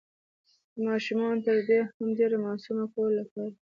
د ماشومانو تر دې هم ډير معصومه کولو لپاره